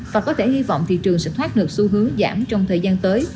và có thể hy vọng thị trường sẽ thoát được xu hướng giảm trong thời gian tới